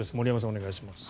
お願いします。